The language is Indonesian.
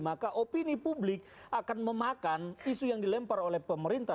maka opini publik akan memakan isu yang dilempar oleh pemerintah